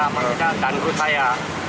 sama kita dan guru saya